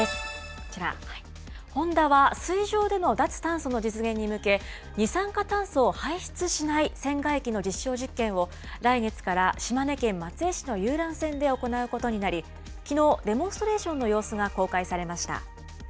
こちら、ホンダは水上での脱炭素の実現に向け、二酸化炭素を排出しない船外機の実証実験を、来月から島根県松江市の遊覧船で行うことになり、きのう、デモンストレーションの様子が公開されました。